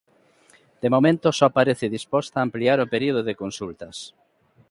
De momento só parece disposta a ampliar o período de consultas.